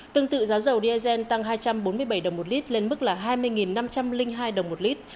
tương tự giá dầu diesel tăng hai trăm bốn mươi bảy đồng một lít lên mức là hai mươi năm trăm linh hai đồng một lít